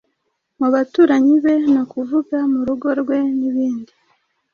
mubaturanyi be ni ukuvuga murugo rwenibindi